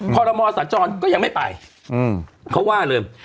คอรมอสัญจรก็ยังไม่ไปเขาว่าเลย